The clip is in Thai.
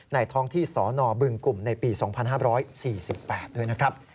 ท้องที่สนบึงกลุ่มในปี๒๕๔๘ด้วยนะครับ